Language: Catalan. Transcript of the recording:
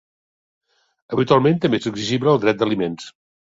Habitualment també és exigible el dret d'aliments.